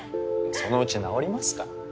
そのうち治りますから。